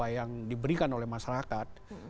yang diberikan oleh masyarakat